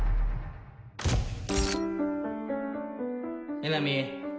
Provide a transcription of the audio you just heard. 江波。